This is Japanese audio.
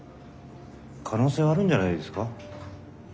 可能性はあるんじゃないですか？